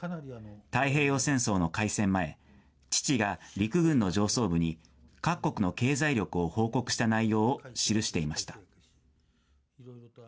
太平洋戦争の開戦前、父が陸軍の上層部に、各国の経済力を報告した内容を記していました。